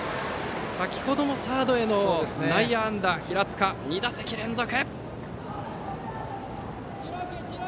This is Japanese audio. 先ほどもサードへの内野安打平塚、２打席連続。